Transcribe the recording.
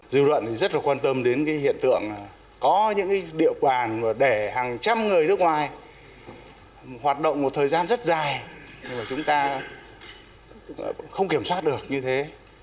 dư luận rất là quan tâm đến hiện tượng có những địa quản để hàng trăm người nước ngoài hoạt động một thời gian rất dài và chúng ta không kiểm soát được như thế